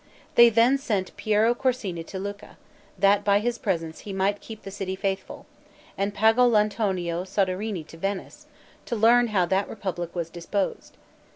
They then sent Piero Corsini to Lucca, that by his presence he might keep the city faithful; and Pagolantonio Soderini to Venice, to learn how that republic was disposed.